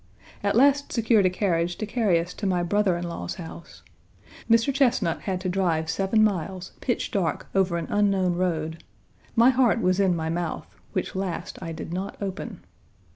At last secured a carriage to carry us to my brother in law's house. Mr. Chesnut had to drive seven miles, pitch dark, over an unknown road. My heart was in my mouth, which last I did not open.